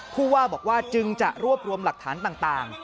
ผู้ว่าบอกว่าจึงจะรวบรวมหลักฐานต่าง